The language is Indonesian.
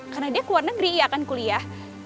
karena dia ke luar negeri iya kan kuliah